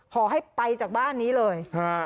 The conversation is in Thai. ขอให้ไปจากบ้านนี้เลย